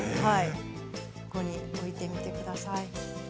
そこに置いてみてください。